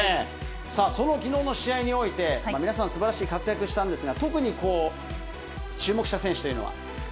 さあ、そのきのうの試合において、皆さん、すばらしい活躍をしたんですが、特に注目した選手というのは？